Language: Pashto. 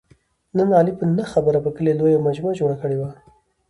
نن علي په نه خبره په کلي لویه مجمع جوړه کړې وه.